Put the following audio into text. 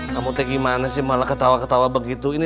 kamu teh gimana sih malah ketawa ketawa begitu